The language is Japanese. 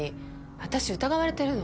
私疑われてるの。